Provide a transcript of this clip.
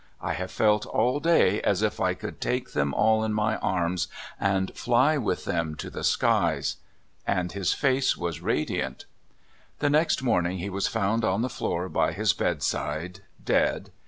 1 have felt all day as if I could take them all in my arms, and fly with them to tne skies! " And his face was radiant. The next morning he was found on the floor by his bedside — dead.